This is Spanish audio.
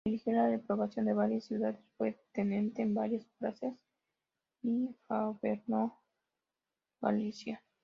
Dirigió la repoblación de varias ciudades, fue tenente en varias plazas y gobernó Galicia.